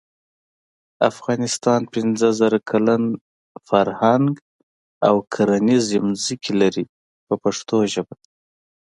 افغانستان پنځه زره کلن فرهنګ او کرنیزې ځمکې لري په پښتو ژبه.